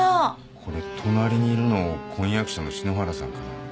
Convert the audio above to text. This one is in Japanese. これ隣にいるの婚約者の篠原さんか。